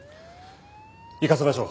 行かせましょう。